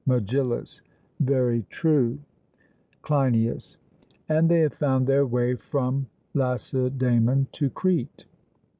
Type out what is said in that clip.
MEGILLUS: Very true. CLEINIAS: And they have found their way from Lacedaemon to Crete.